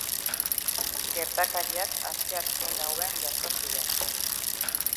Gertakariak asteazken gauean jazo ziren.